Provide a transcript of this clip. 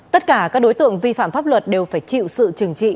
tất cả các đối tượng vi phạm pháp luật đều phải chịu sự trừng trị